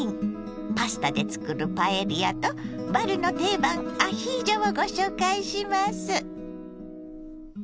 パスタで作るパエリアとバルの定番アヒージョをご紹介します。